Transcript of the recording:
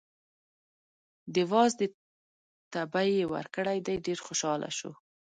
د وازدې تبی یې ورکړی دی، ډېر خوشحاله شو.